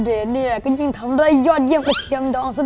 อัปเดตเนี่ยก็ยิ่งทำอะไรยอดเยี่ยมกว่าเทียมน้องซะด้วย